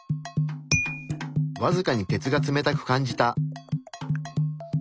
わずかに鉄が冷たく感じた。